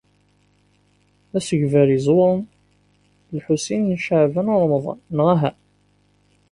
D asegbar iẓewṛen, Lḥusin n Caɛban u Ṛemḍan: neɣ aha?